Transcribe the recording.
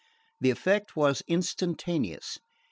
The effect was instantaneous.